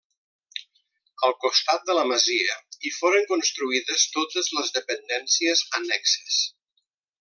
Al costat de la masia hi foren construïdes totes les dependències annexes.